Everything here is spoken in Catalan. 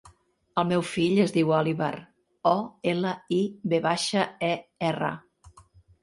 El meu fill es diu Oliver: o, ela, i, ve baixa, e, erra.